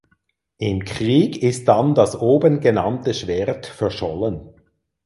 Im Krieg ist dann das oben genannte Schwert verschollen.